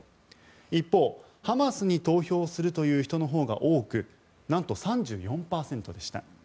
一方、ハマスに投票するという人のほうが多く何と３４％でした。